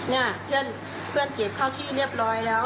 เนี่ยเพื่อนเสียบเข้าที่เรียบร้อยแล้ว